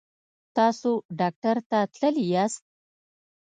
تاسو ډاکټر ته تللي یاست؟